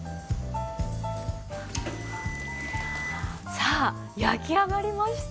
さあ焼き上がりました。